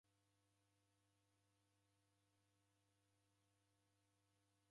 Oho ghenda tuu. Kusekeobua m'ndungi.